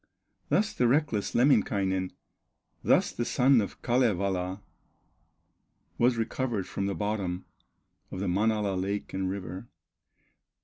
Thus the reckless Lemminkainen, Thus the son of Kalevala, Was recovered from the bottom Of the Manala lake and river.